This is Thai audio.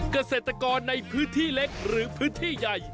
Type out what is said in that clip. เกษตรกรในพื้นที่เล็กหรือพื้นที่ใหญ่